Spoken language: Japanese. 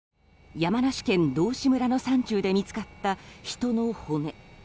山梨県道志村の山中で見つかった、人の骨。